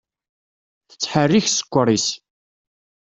Tettḥerrik ssker-is.